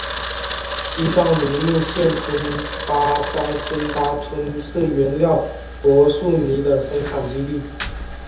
西藏尼木县吞巴乡吞巴村是原料柏树泥的生产基地。